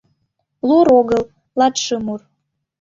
Лур огыл, латшымур.